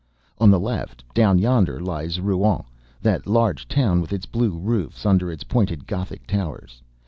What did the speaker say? On the left, down yonder, lies Rouen, that large town with its blue roofs, under its pointed Gothic towers.